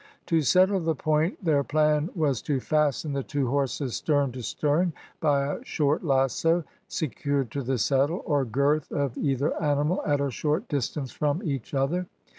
To settle the point their plan was to fasten the two horses stern to stern by a short lasso, secured to the saddle, or girth of either animal, at a short distance from each other.